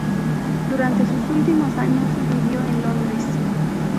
Durante sus últimos años vivió en Londres.